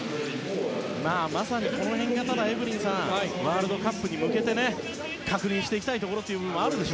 まさに、この辺がエブリンさんワールドカップに向けて確認していきたいところですね。